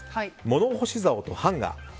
物干しざおとハンガー。